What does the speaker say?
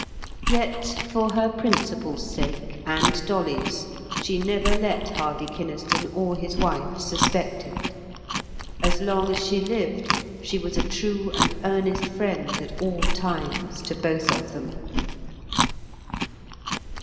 Yet for her principles' sake and Dolly's, she never let Harvey Kynaston or his wife suspect it; as long as she lived, she was a true and earnest friend at all times to both of them.